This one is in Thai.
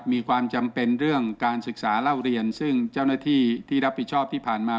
มีความจำเป็นเรื่องการศึกษาเล่าเรียนซึ่งเจ้าหน้าที่ที่รับผิดชอบที่ผ่านมา